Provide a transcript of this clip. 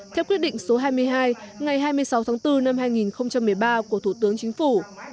theo quyết định số hai mươi hai ngày hai mươi sáu tháng bốn năm hai nghìn một mươi ba của thủ tướng chính phủ